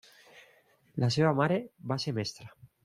La seva mare va ser mestra.